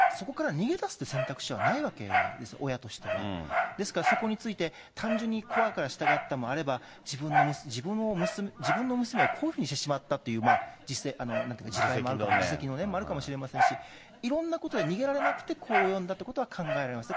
家族で、しかも自分の娘がそういう状態になったときに、そこから逃げだすって選択肢はないわけです、親としては、ですから、そこについて、単純に怖いから従ったとあれば、自分の娘をこういうふうにしてしまったっていう自責の念もあるかもしれませんし、いろんなことから逃げられなくて、これに及んだということは考えられますね。